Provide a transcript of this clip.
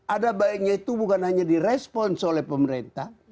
ada baiknya itu bukan hanya di respons oleh pemerintah